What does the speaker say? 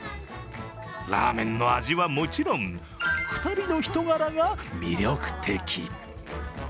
ラーメンの味はもちろん、２人の人柄が魅力的。